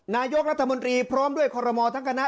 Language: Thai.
นายกรัฐมนตรีพร้อมด้วยคอรมอลทั้งคณะ